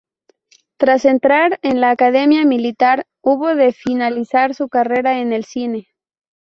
Tras entrar en la academia militar, hubo de finalizar su carrera en el cine.